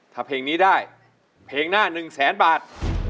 ถ้าเพลงนี้ได้เพลงหน้า๑แสนบาท